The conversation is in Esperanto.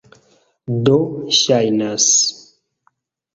Do, ŝajnas...